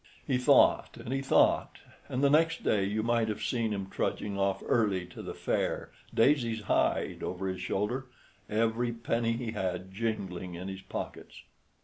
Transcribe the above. He thought and he thought, and the next day you might have seen him trudging off early to the fair, Daisy's hide over his shoulder, every penny he had jingling in his pockets.